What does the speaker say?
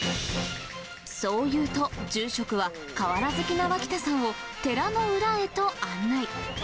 そう言うと、住職は、瓦好きな脇田さんを寺の裏へと案内。